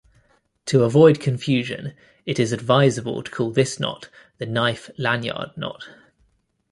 To avoid confusion, it is advisable to call this knot the knife lanyard knot.